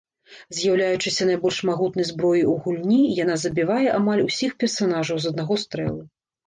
З'яўляючыся найбольш магутнай зброяй у гульні, яна забівае амаль усіх персанажаў з аднаго стрэлу.